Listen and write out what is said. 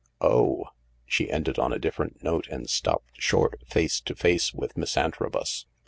"Oh I " She ended on a different note and stopped short, face to face with Miss Antrobus.